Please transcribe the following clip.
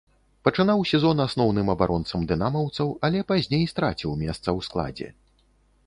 Пачынаў сезон асноўным абаронцам дынамаўцаў, але пазней страціў месца ў складзе.